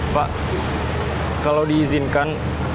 pak kalau diizinkan